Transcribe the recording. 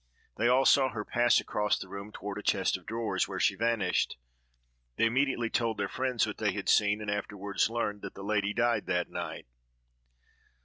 They all saw her pass across the room toward a chest of drawers, where she vanished. They immediately told their friends what they had seen, and afterward learned that the lady died that night.